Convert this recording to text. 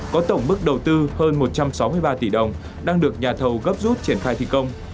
có tổng mức đầu tư hơn một trăm sáu mươi ba tỷ đồng đang được nhà thầu gấp rút triển khai thi công